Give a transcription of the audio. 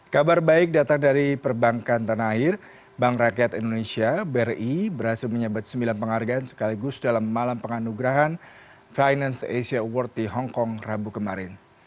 kabar baik datang dari perbankan tanah air bank rakyat indonesia bri berhasil menyebut sembilan penghargaan sekaligus dalam malam penganugerahan finance asia award di hongkong rabu kemarin